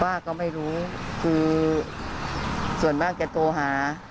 ว่าก็ไม่รู้คือส่วนมากจะโทรหา